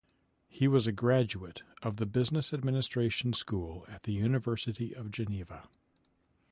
He was a graduate of the business administration School at the University of Geneva.